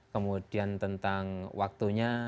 kemudian tentang waktunya